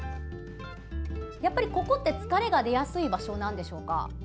ここって疲れが出やすい場所なんでしょうか。